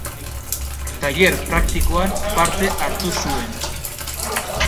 Tailer praktikoan parte hartu zuen.